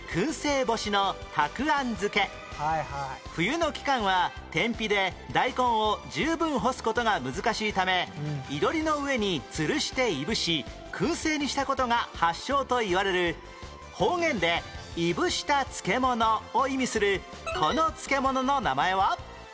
冬の期間は天日で大根を十分干す事が難しいため囲炉裏の上につるしていぶし燻製にした事が発祥といわれる方言で「いぶした漬物」を意味するこの漬物の名前は？